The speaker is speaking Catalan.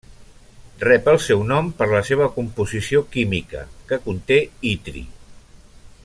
Rep el seu nom per la seva composició química, que conté itri.